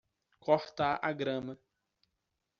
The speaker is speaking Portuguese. Cortar a grama.